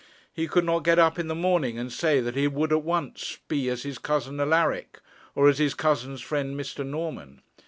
He could not get up in the morning and say that he would at once be as his cousin Alaric, or as his cousin's friend, Mr. Norman.